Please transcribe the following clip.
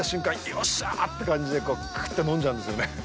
よっしゃーって感じでクーっと飲んじゃうんですよね。